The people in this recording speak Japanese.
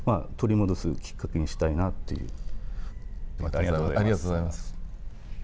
ありがとうございます。